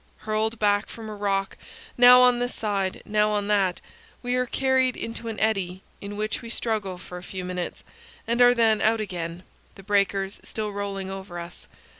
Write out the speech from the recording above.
Hurled back from a rock, now on this side, now on that, we are carried into an eddy, in which we struggle for a few minutes, and are then out again, the breakers still rolling over us.